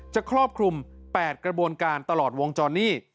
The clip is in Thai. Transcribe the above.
ครอบคลุม๘กระบวนการตลอดวงจรนี่